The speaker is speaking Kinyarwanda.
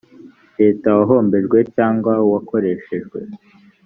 leta wahombejwe cyangwa wakoreshejwe